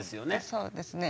そうですね。